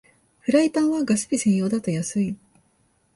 フライパンはガス火専用だと安い